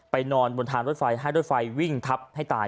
นอนบนทางรถไฟให้รถไฟวิ่งทับให้ตาย